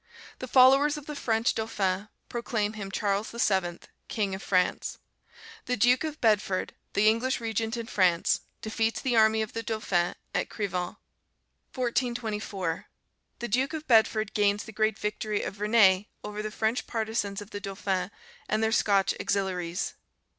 The followers of the French Dauphin proclaim him Charles VII., King of France. The Duke of Bedford, the English Regent in France, defeats the army of the Dauphin at Crevant. 1424. The Duke of Bedford gains the great victory of Verneuil over the French partizans of the Dauphin, and their Scotch auxiliaries.